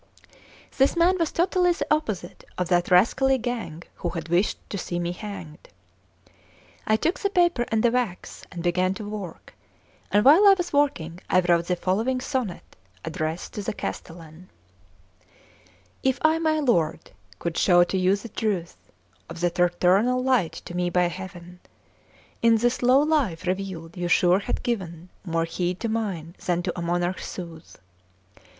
This man was totally the opposite of that rascally gang who had wished to see me hanged. I took the paper and the wax, and began to work; and while I was working I wrote the following sonnet addressed to the castellan: "If I, my lord, could show to you the truth, Of that Eternal Light to me by Heaven In this low life revealed, you sure had given More heed to mine than to a monarch's sooth.